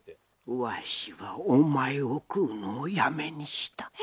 「わしはお前を食うのをやめにした」